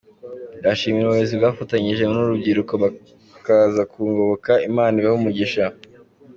Ndashimira ubuyobozi bwafatanyije n’uru rubyiruko bakaza kungoboka, Imana ibahe umugisha.